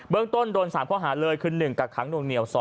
เรื่องต้นโดน๓ข้อหาเลยคือ๑กักขังหน่วงเหนียว๒